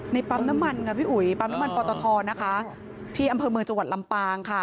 ปั๊มน้ำมันค่ะพี่อุ๋ยปั๊มน้ำมันปอตทนะคะที่อำเภอเมืองจังหวัดลำปางค่ะ